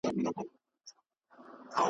څرنګه به پوه سم په خواله ددې جینۍ .